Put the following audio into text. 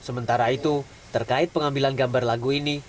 sementara itu terkait pengambilan gambar lagu ini